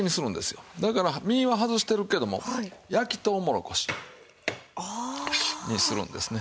だから実は外してるけども焼きとうもろこしにするんですね。